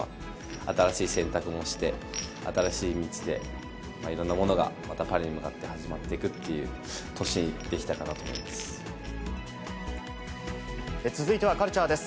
新しい選択もして、新しい道で、いろんなものがまたパリに向かって始まっていくという年にできた続いてはカルチャーです。